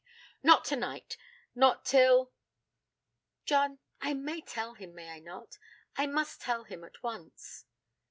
'Not tonight not till . John, I may tell him, may I not? I must tell him at once.'